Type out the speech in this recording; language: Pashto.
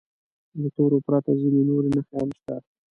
له تورو پرته ځینې نورې نښې هم شته.